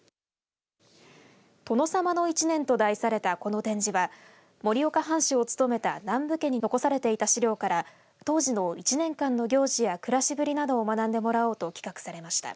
殿さまの１年と題されたこの展示は盛岡藩主を務めた南部家に残されていた資料から当時の１年間の行事や暮らしぶりなどを学んでもらおうと企画されました。